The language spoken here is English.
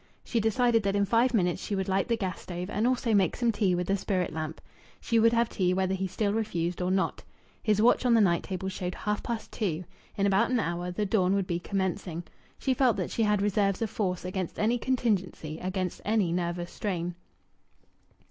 She decided that in five minutes she would light the gas stove, and also make some tea with the spirit lamp. She would have tea whether he still refused or not. His watch on the night table showed half past two. In about an hour the dawn would be commencing. She felt that she had reserves of force against any contingency, against any nervous strain.